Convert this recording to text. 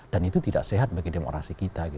dan itu tidak sehat bagi demokrasi kita